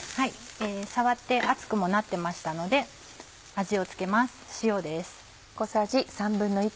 触って熱くもなってましたので味を付けます塩です。